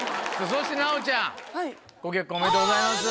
そして奈央ちゃんご結婚おめでとうございます。